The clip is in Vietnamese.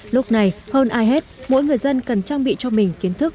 lúc này hơn ai hết mỗi người dân cần trang bị cho mình kiến thức